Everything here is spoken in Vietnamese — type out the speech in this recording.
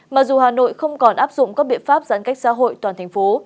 mặc dù hà nội không còn áp dụng các biện pháp giãn cách xã hội toàn thành phố